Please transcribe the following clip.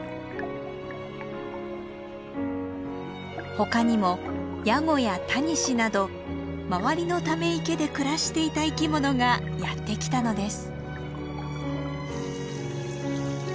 ほかにもヤゴやタニシなど周りのため池で暮らしていた生き物がやってきたのです。